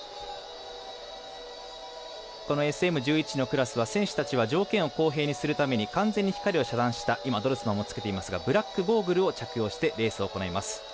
このＳＭ１１のクラスは選手たちは条件を公平にするために完全に光を遮断した今、ドルスマンも着けていますがブラックゴーグルを着用してレースを行います。